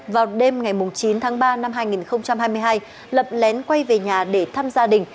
vào đêm ngày chín tháng ba năm hai nghìn hai mươi hai lập lén quay về nhà để thăm gia đình